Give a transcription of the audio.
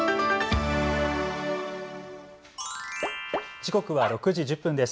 時刻は６時１０分です。